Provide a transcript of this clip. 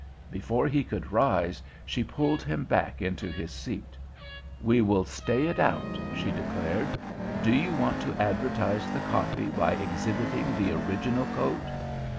Before he could rise, she pulled him back into his seat. "We will stay it out," she declared. "Do you want to advertise the copy by exhibiting the original coat?"